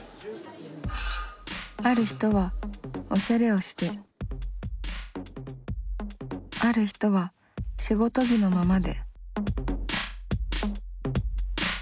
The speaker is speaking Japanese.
ある人はおしゃれをしてある人は仕事着のままで。